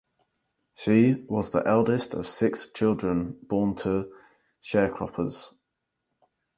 She was the eldest of six children born to sharecroppers.